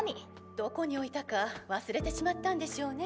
どこに置いたか忘れてしまったんでしょうね。